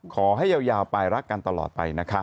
ขอให้ยาวไปรักกันตลอดไปนะคะ